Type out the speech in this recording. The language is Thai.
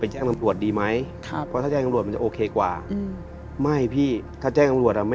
เฮ้ยมันโดนจริง